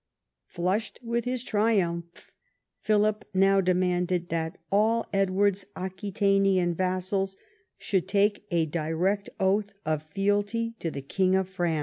Flushed with his triumph, Philip now demanded that all Edward's Aqui tanian vassals should take a direct oath of fealty to the Kins of France.